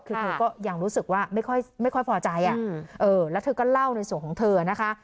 คือเธอก็ยังรู้สึกว่าไม่ค่อยพอใจแล้วเธอก็เล่าในส่วนของเธอนะคะ